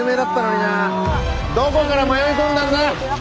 どこから迷い込んだんだ。